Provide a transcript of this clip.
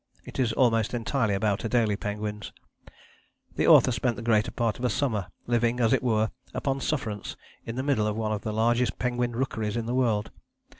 It is almost entirely about Adélie penguins. The author spent the greater part of a summer living, as it were, upon sufferance, in the middle of one of the largest penguin rookeries in the world.